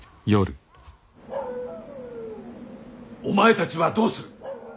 お前たちはどうする。